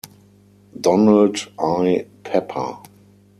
Donald I. Pepper.